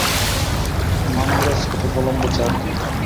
মান্দ্রাজ হতে কলম্বো চার দিন।